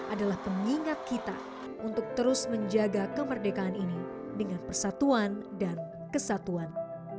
adalah pengingat kita untuk terus menjaga kemerdekaan ini dengan persatuan dan kesatuan